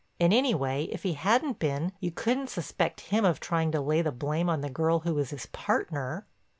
And anyway, if he hadn't been, you couldn't suspect him of trying to lay the blame on the girl who was his partner.